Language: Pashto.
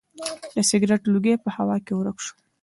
د سګرټ لوګی په هوا کې ورک شو.